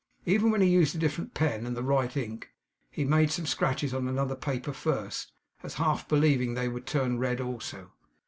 Even when he used a different pen, and the right ink, he made some scratches on another paper first, as half believing they would turn red also.